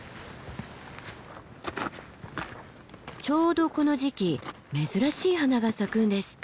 ちょうどこの時期珍しい花が咲くんですって。